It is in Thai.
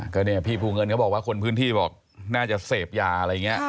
ก็เนี่ยพี่ภูเงินเขาบอกว่าคนพื้นที่บอกน่าจะเสพยาอะไรอย่างนี้